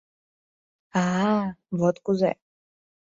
— А-а, вот кузе!..